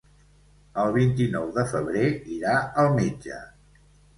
El vint-i-nou de febrer irà al metge.